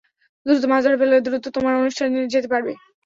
দ্রুত মাছ ধরে ফেললে দ্রুত তোমার অনুষ্ঠানে যেতে পারব।